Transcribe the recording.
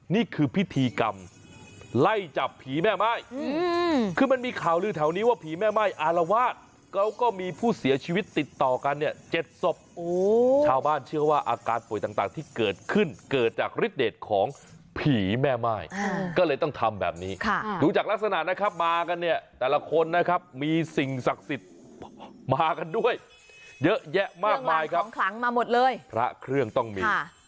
นี่คือพิธีกรรมไล่จับผีแม่ไม้คือมันมีข่าวลือแถวนี้ว่าผีแม่ไม้อารวาสเขาก็มีผู้เสียชีวิตติดต่อกันเนี่ยเจ็ดศพชาวบ้านเชื่อว่าอาการป่วยต่างที่เกิดขึ้นเกิดจากฤทธิ์เดชของผีแม่ไม้ก็เลยต้องทำแบบนี้ค่ะหรือจากลักษณะนะครับมากันเนี่ยแต่ละคนนะครับมีสิ่งศักดิ์สิทธิ